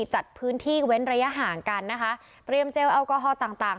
จัดพื้นที่เว้นระยะห่างกันนะคะเตรียมเจลแอลกอฮอลต่างต่าง